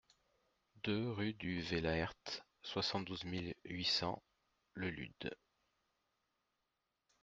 deux rue du Velaert, soixante-douze mille huit cents Le Lude